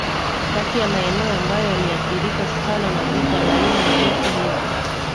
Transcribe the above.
kati ya maeneo ambayo yaliathirika sana na vita baina ya nchi hizo